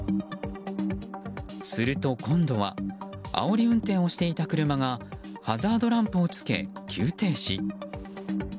すると、今度はあおり運転をしていた車がハザードランプをつけ、急停止。